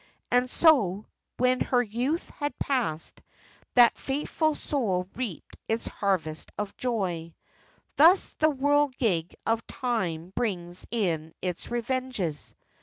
And so, when her youth had passed, that faithful soul reaped its harvest of joy. "Thus the whirligig of Time brings in its revenges."